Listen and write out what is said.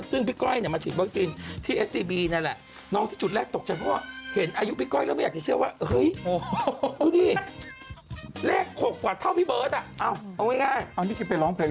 แล้วก็มั้ยสำนาคตที่ที่เขาถือกบอกเทนสาหร่ายย่ามาก็ขอให้เราร้องเพื่อให้สาหร่ายย่าร้องเพลงนี้ฟัง